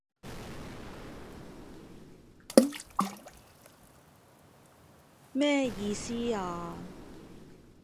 咩意思啊？